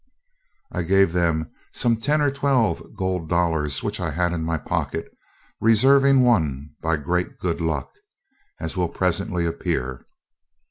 I gave them some ten or twelve gold dollars which I had in my pocket, reserving one by great good luck, as will presently appear.